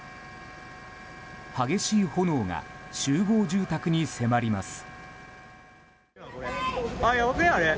激しい炎が集合住宅に迫ります。